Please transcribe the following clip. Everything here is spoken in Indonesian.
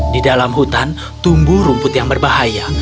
di dalam hutan tumbuh rumput yang berbahaya